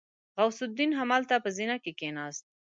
غوث الدين همالته په زينه کې کېناست.